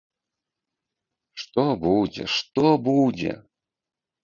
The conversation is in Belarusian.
Што будзе, што будзе?